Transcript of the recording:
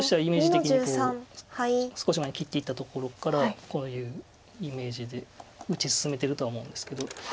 イメージ的に少し前に切っていったところからこういうイメージで打ち進めてるとは思うんですけど。